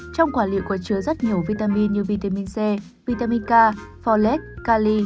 trong quả lựu có chứa rất nhiều vitamin như vitamin c vitamin k folate cali